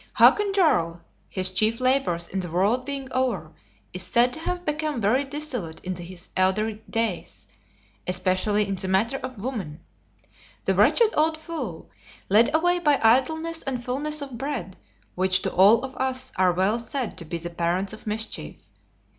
Hakon Jarl, his chief labors in the world being over, is said to have become very dissolute in his elder days, especially in the matter of women; the wretched old fool, led away by idleness and fulness of bread, which to all of us are well said to be the parents of mischief.